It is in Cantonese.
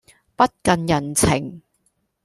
不近人情